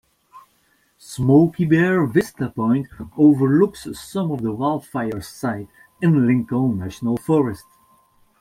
Smokey Bear Vista Point overlooks some of the wildfire's site in Lincoln National Forest.